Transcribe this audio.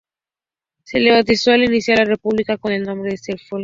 Se le bautizó al iniciar la República con el nombre de "Fuerte El Sol".